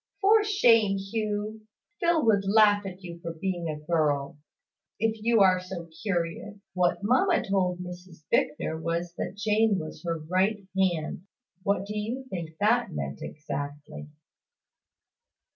"For shame, Hugh! Phil would laugh at you for being a girl if you are so curious. What mamma told Mrs Bicknor was that Jane was her right hand. What do you think that meant exactly?"